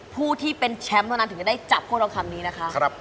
ผู้ที่เป็นแชมพ์ตอนนั้นถึงจะได้จับพรั่งขำนี้นะคะ